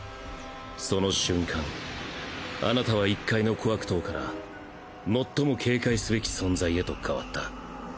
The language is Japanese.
その瞬間あなたは一介の小悪党から最も警戒すべき存在へと変わった。